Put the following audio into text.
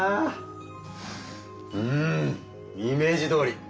うんイメージどおり！